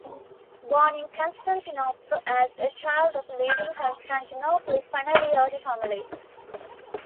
Born in Constantinople as a child of a leading Constantinople Phanariote family.